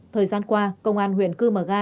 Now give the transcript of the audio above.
thời gian qua công an huyện chimuga